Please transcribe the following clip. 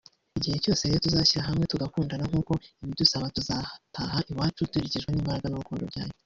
Igihe cyose rero tuzashyira hamwe tugakundana nk’uko ibidusaba tuzataha iwacu duherekejwe n’imbaraga n’urukundo byayo